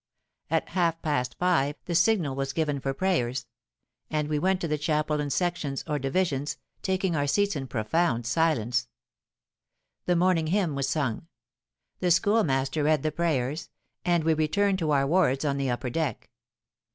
At half past five the signal was given for prayers; and we went to the chapel in sections, or divisions, taking our seats in profound silence. The morning hymn was sung: the schoolmaster read the prayers; and we returned to our wards on the upper deck.